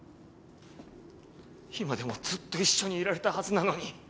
今でもずっと一緒にいられたはずなのに。